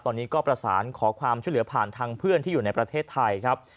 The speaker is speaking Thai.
ตอนนี้ก็ประสานขอความช่วยเหลือผ่านทางเพื่อนที่อยู่ในประเทศไทยครับ